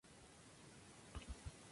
Está dedicado a San Pantaleón.